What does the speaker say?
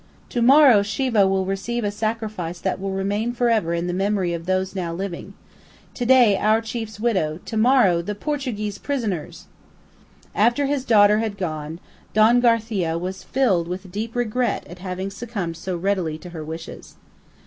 "To morrow Siva will receive a sacrifice that will remain forever in the memory of those now living. To day, our chief's widow; to morrow, the Portuguese prisoners!" After his daughter had gone, Don Garcia was filled with deep regret at having succumbed so readily to her wishes.